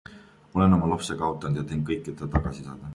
Olen oma lapse kaotanud ja teen kõik, et teda tagasi saada.